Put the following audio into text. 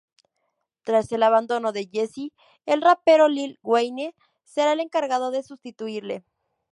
Tras el abandono de Jeezy, el rapero Lil Wayne será el encargado de sustituirle.